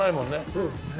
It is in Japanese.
そうですね。